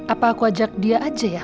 apa aku ajak dia aja ya